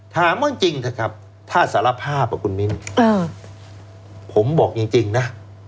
ถามจริงครับถ้าสารภาพฟังคุณมินผมบอกจริงนะ